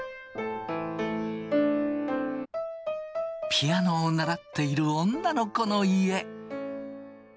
ピアノを習っている女の子の家。